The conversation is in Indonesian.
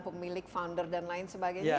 pemilik founder dan lain sebagainya